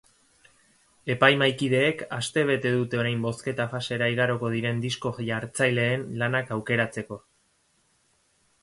Epaimahaikideek astebete dute orain bozketa fasera igaroko diren disko-jartzaileen lanak aukeratzeko.